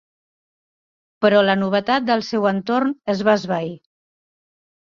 Però la novetat del seu entorn es va esvair.